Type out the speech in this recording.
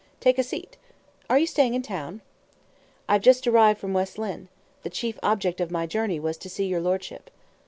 Take a seat. Are you staying in town?" "I have just arrived from West Lynne. The chief object of my journey was to see your lordship."